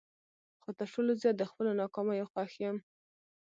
خو تر ټولو زیات د خپلو ناکامیو خوښ یم.